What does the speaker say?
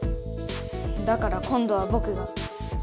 だから今度はぼくが。